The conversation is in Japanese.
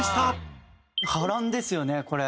波乱ですよねこれ。